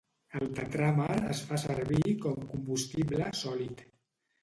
El tetràmer es fa servir com combustible sòlid.